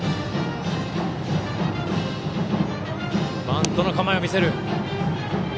バントの構えを見せる。